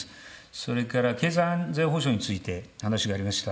それから経済・安全保障について話がありました。